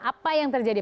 apa yang terjadi